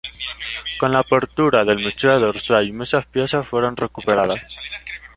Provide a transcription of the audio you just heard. Con la apertura del Museo de Orsay, muchas piezas fueron recuperadas.